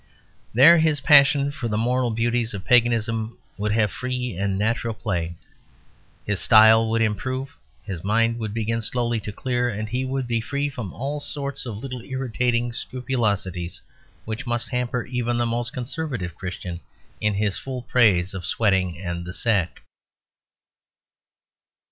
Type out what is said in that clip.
There his passion for the moral beauties of paganism would have free and natural play; his style would improve; his mind would begin slowly to clear; and he would be free from all sorts of little irritating scrupulosities which must hamper even the most Conservative Christian in his full praise of sweating and the sack.